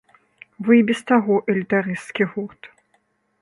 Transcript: Вы і без таго элітарысцскі гурт.